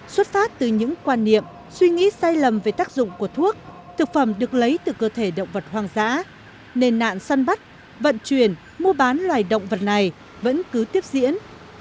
xuất phát từ những quan niệm suy nghĩ sai lầm về tác dụng của thuốc thực phẩm được lấy từ cơ thể động vật hoang dã nên nạn săn bắt vận chuyển mua bán loài động vật này vẫn cứ tiếp diễn